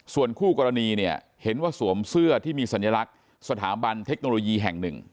ส่วนคู่กรณีเนี่ยเห็นว่าสวมเสื้อที่มีสัญลักษณ์สถาบันเทคโนโลยีแห่งหนึ่ง